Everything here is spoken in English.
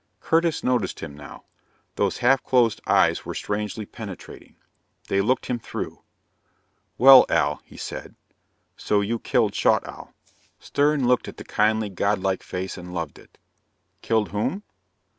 Curtis noticed him now. Those half closed eyes were strangely penetrating. They looked him through. "Well, Al," he said, "so you killed Schaughtowl?" Stern looked at the kindly, godlike face and loved it. Killed whom?